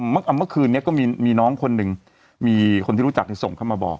เมื่อคืนนี้ก็มีน้องคนหนึ่งมีคนที่รู้จักที่ส่งเข้ามาบอก